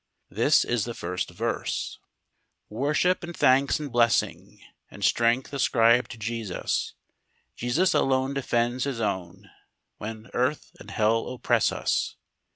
This is the first verse: "Worship and thanks and blessing, And strength ascribe to Jesus! Jesus alone defends His own, When earth and hell oppress us.